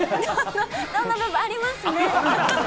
ドンの部分、ありますね。